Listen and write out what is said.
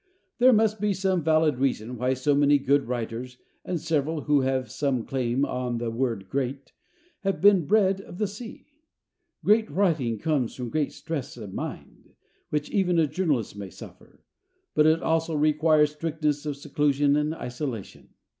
There must be some valid reason why so many good writers, and several who have some claim on the word "great," have been bred of the sea. Great writing comes from great stress of mind which even a journalist may suffer but it also requires strictness of seclusion and isolation.